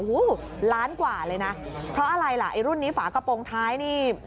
โอ้โหล้านกว่าเลยนะเพราะอะไรล่ะไอ้รุ่นนี้ฝากระโปรงท้ายนี่